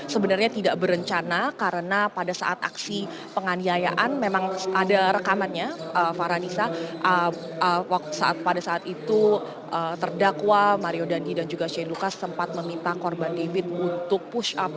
sebenarnya tidak berencana karena pada saat aksi penganiayaan memang ada rekamannya farhanisa pada saat itu terdakwa mario dandi dan juga shane lucas sempat meminta korban david untuk push up